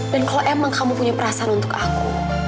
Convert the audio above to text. dan kalau emang kamu punya perasaan untuk aku